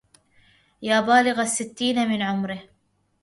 يا بالغ الستين من عمره